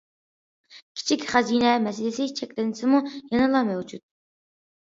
‹‹ كىچىك خەزىنە›› مەسىلىسى چەكلەنسىمۇ يەنىلا مەۋجۇت.